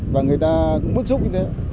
và người ta cũng bức xúc như thế